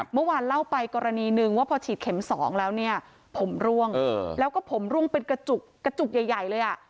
เมื่อวานเล่าไปกรณีหนึ่งว่าพอฉีดเข็มสองแล้วเนี่ยผมร่วงแล้วก็ผมร่วงเป็นกระจุกใหญ่เลยอ่ะ